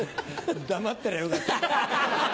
黙ってりゃよかった。